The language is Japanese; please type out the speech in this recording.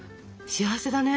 幸せだね。